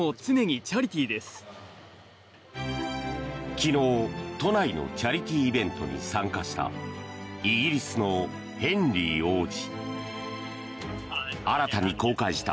昨日、都内のチャリティーイベントに参加したイギリスのヘンリー王子。